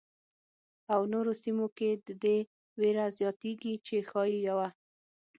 او نورو سیمو کې د دې وېره زیاتېږي چې ښايي یوه.